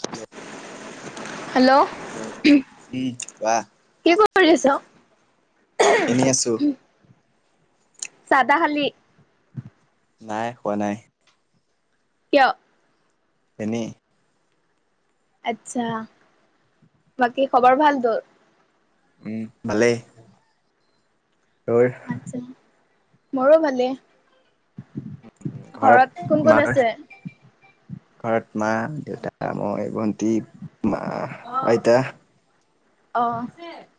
Hello. Hello. Hello উম কোৱা। কি কৰি আছ। এনেই আছোঁ। চাহ তা খালি। নাই খোৱা নাই। কিয়? এনেই। আচ্ছা বাকী খবৰ ভাল তোৰ? উম ভালেই তোৰ? মোৰো ভালেই ঘৰত কোন কোন আছে? ঘৰত মা দেউতা আ মই ভন্তি মা আইতা অঁ [unintelligible]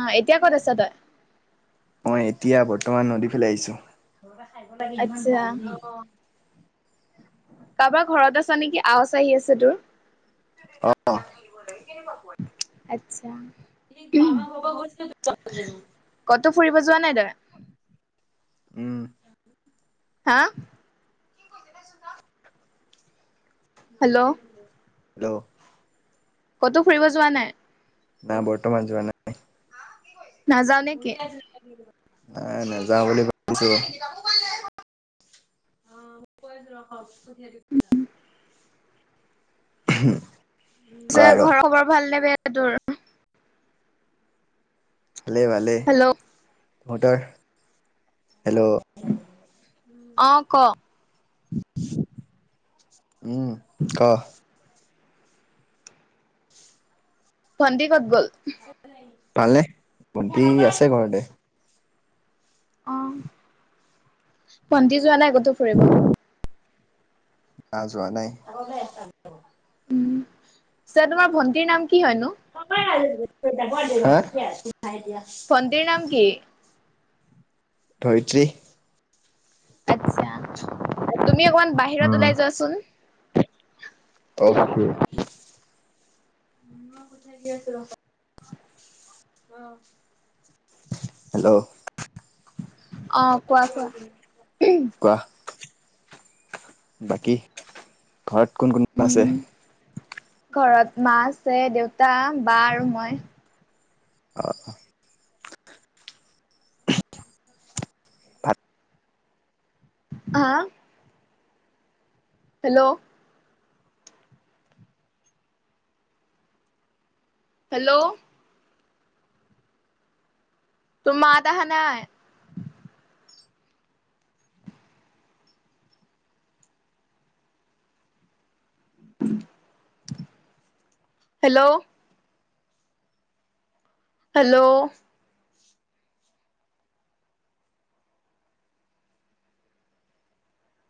অ এতিয়া ক'ত আছ তই মই এতিয়া বৰ্তমান নদী ফালে আহিছো আচ্ছা, কাৰোবাৰ ঘৰত আছা নেকি আৱাস আহি আছে তোৰ অ [unintelligible] আত্ছা কি আমাৰ পাবা গৈছ দে ক'তো ফুৰিব যোৱা নাই দা উম হা হেল্ল' হেল্ল' ক'তো ফুৰিব যোৱা নাই? না বৰ্তমান যোৱা নাই? নাযাও নেকি? নাই নাই নেযাওঁ বুলি ভাবিছো অ কৈ আছো ৰব পঠিয়াই দি হুম যে ঘৰৰ খবৰ ভাল নে বেয়া তোৰ ভালে ভালে হেল্ল' তহঁতৰ হেল্ল' অ ক উম কহ ভণ্টি কত গ'ল পালে ভণ্টি আছে ঘৰতে অ ভণ্টি যোৱা নাই কতো ফুৰিব? নাই যোৱা নাই উম পিছে তোমাৰ ভণ্টিৰ নাম কি হয়নো? খাই দিয়া ভণ্টিৰ নাম কি? ধৈত্ৰী আচ্ছা তুমি অকমান উম বাহিৰত ওলাই যোৱাচোন অকে দি আছোঁ ৰবা। অ হেল্ল'- অ কোৱা কোৱা। কোৱা বাকী ঘৰত কোন কোন আছে। উম ঘৰত মা, আছে দেউতা, বা আৰু মই অঁ অ ভাল হাঁ হেল্ল' হেল্ল' তোৰ মাত আহা নাই। Hello hello